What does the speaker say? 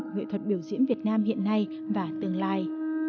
nghệ thuật biểu diễn việt nam hiện nay và tương lai